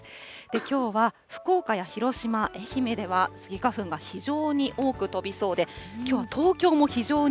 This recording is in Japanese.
きょうは、福岡や広島、愛媛ではスギ花粉が非常に多く飛びそうで、きょうは東京も非常に